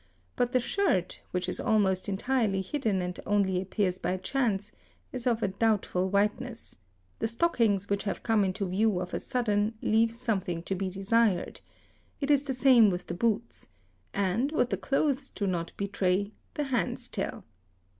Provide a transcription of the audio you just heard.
but the shirt, which is almost entirely hidden and only appears by chance, is of a doubtful whiteness; the stockings which — have come into view of a sudden leave something to be desired; it is the _ same with the boots and, what the clothes do not betray, the hands tell.